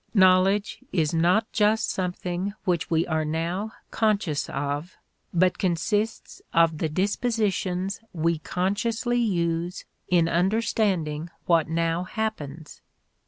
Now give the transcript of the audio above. Knowledge is not just something which we are now conscious of, but consists of the dispositions we consciously use in understanding what now happens.